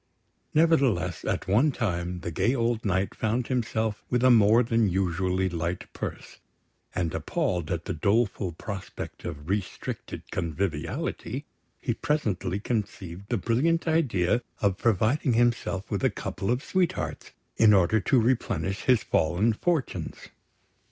Nevertheless, at one time, the gay old Knight found himself with a more than usually light purse; and appalled at the doleful prospect of restricted conviviality, he presently conceived the brilliant idea of providing himself with a couple of sweethearts, in order to replenish his fallen fortunes.